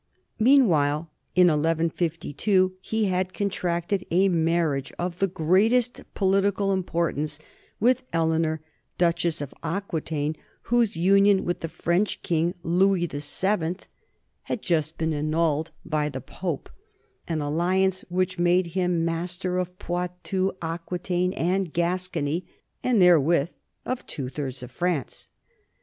Meanwhile, in 1152, he had contracted a marriage of the greatest political importance with Eleanor, duchess of Aquitaine, whose union with the French king Louis VII had just been annulled by the 90 NORMANS IN EUROPEAN HISTORY Pope; an alliance which made him master of Poitou, Aquitaine, and Gascony and therewith of two thirds of France.